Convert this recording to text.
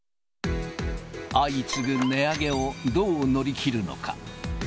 相次ぐ値上げをどう乗り切るのか。